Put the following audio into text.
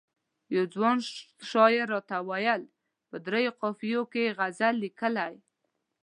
یوه ځوان شاعر راته وویل په دریو قافیو کې یې غزل لیکلی.